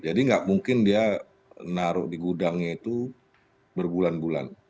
jadi nggak mungkin dia naruh di gudangnya itu berbulan bulan